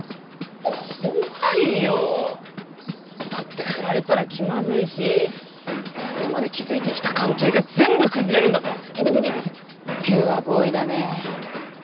怖いよだってフラれたら気まずいしこれまで築いてきた関係が全部崩れるんだぞイテテテテピュアボーイだね